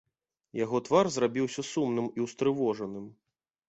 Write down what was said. Яго твар зрабіўся сумным і ўстрывожаным.